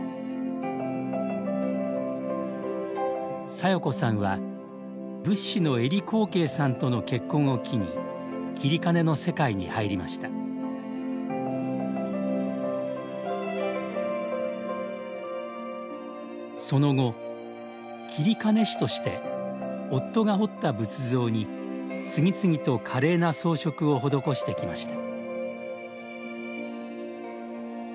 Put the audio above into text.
佐代子さんは仏師の江里康慧さんとの結婚を機に截金の世界に入りましたその後截金師として夫が彫った仏像に次々と華麗な装飾を施してきました